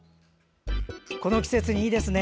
この季節にいいですね。